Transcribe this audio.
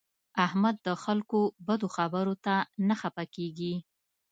احمد د خلکو بدو خبرو ته نه خپه کېږي.